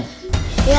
ayah pedas ya